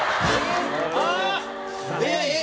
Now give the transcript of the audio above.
あっ！